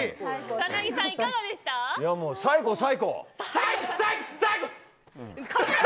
草なぎさん、いかがでした。